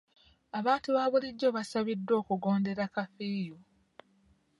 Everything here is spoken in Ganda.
Abantu ba bulijo basabiddwa okugondera kafiyu.